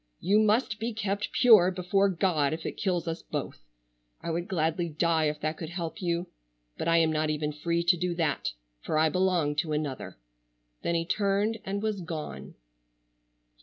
You must be kept pure before God if it kills us both. I would gladly die if that could help you, but I am not even free to do that, for I belong to another." Then he turned and was gone.